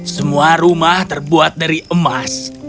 semua rumah terbuat dari emas